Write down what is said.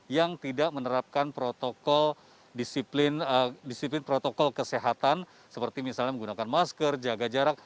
yang tidak menerapkan protokol disiplin protokol kesehatan seperti misalnya menggunakan masker jaga jarak